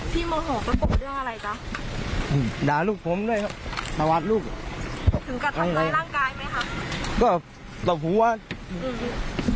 ประวัติลูกถึงกับทำร้ายร่างกายไหมคะก็ตกหูว่าอืม